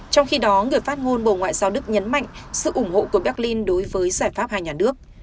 trong khi đó người phát ngôn bộ ngoại giao đức nhấn mạnh sự ủng hộ của berlin đối với giải pháp hai nhà nước